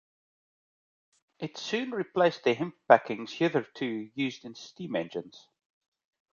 It soon replaced the hemp packing hitherto used in steam engines.